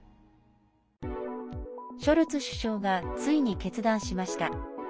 ショルツ首相がついに決断しました。